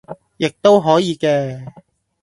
亦都可以嘅